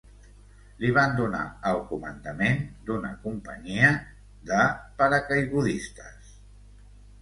Li van donar el comandament d'una companyia de paracaigudistes.